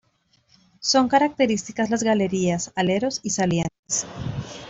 Son características las galerías, aleros y salientes.